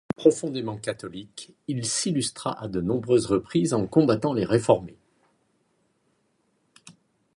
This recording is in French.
Profondément catholique, il s'illustra à de nombreuses reprises en combattant les Réformés.